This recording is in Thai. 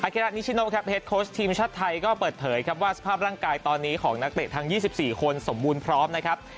ก็เปิดเผยครับว่าสภาพร่างกายตอนนี้ของนักเตะทั้งยี่สิบสี่คนสมมุติพร้อมนะครับ